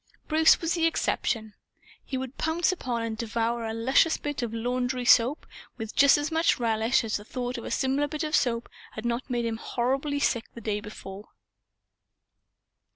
Bruce was the exception. He would pounce upon and devour a luscious bit of laundry soap with just as much relish as though a similar bit of soap had not made him horribly sick the day before.